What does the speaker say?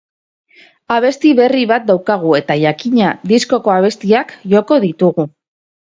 Abesti berri bat daukagu eta, jakina, diskoko abestiak joko ditugu.